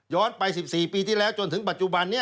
ย้อนไป๑๔ปีที่แล้วจนถึงปัจจุบัน